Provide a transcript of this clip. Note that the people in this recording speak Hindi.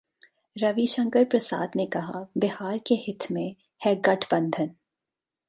रविशंकर प्रसाद ने कहा- बिहार के हित में है गठबंधन